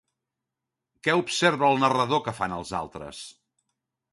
Què observa el narrador que fan els altres?